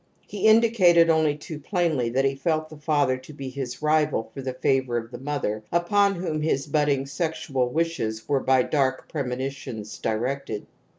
He indicated only too plainly that he kelt the father to be his rival for the favour pf the mother, upon whom his budding sexual Iwishes were by dark premonitions directed.